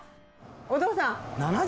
お父さん。